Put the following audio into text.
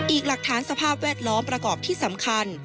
อีกหลักฐานสภาพแวดล้อมประกอบที่สำคัญ